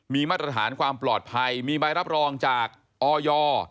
มีมาตรฐานความปลอดภัยมีใบรับรองจากออย